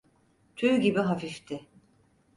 Tüy gibi hafifti.